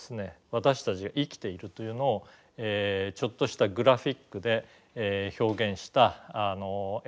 私たちが生きているというのをちょっとしたグラフィックで表現した絵がありますのでそれを見て下さい。